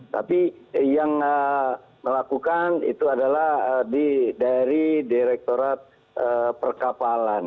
tapi yang melakukan itu adalah dari direkturat perkapalan